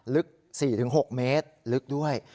ลึก๔๖เมตรลึกด้วย